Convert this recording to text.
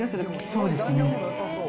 そうですね。